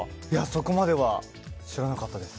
そこまでは知らなかったです。